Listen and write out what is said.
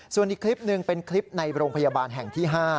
ส่วนอีกคลิปหนึ่งเป็นคลิปในโรงพยาบาลแห่งที่๕